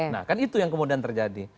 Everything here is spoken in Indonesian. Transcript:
nah kan itu yang kemudian terjadi